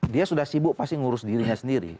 dia sudah sibuk pasti ngurus dirinya sendiri